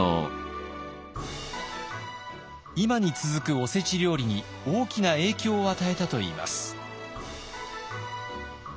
今に続くおせち料理に大きな影響を与えたといいます。